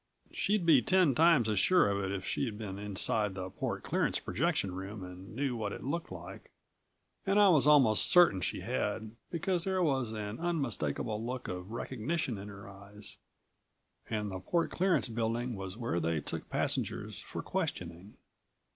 _ She'd be ten times as sure of it if she'd been inside the port clearance projection room and knew what it looked like, and I was almost certain she had, because there was an unmistakable look of recognition in her eyes, and the Port Clearance building was where they took passengers for questioning.